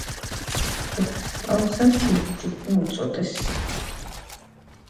შახტა ასახავს მარილის მოპოვების განვითარების მეთოდებსა და ტექნოლოგიებს შვიდი საუკუნის განმავლობაში.